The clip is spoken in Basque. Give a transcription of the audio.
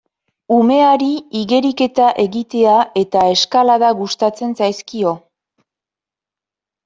Umeari igeriketa egitea eta eskalada gustatzen zaizkio.